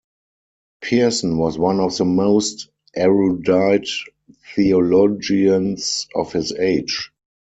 Pearson was one of the most erudite theologians of his age.